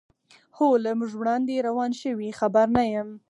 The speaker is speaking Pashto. هو، له موږ وړاندې روان شوي، خبر نه یم.